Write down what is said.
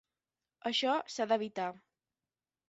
Això s’ha d’evitar.